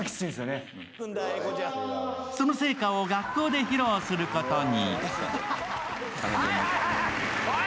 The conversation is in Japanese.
その成果を学校で披露することに。